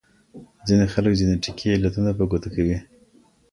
ځينې خلګ جينيټيکي علتونه په ګوته کوي.